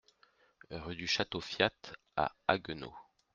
Rue du Château Fiat à Haguenau